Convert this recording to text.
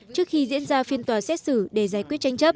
trước khi diễn ra phiên tòa xét xử